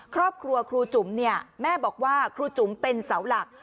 ครอบครัวครูจุ๋มแม่บอกว่าครูจุ๋มเป็นเสาหลัก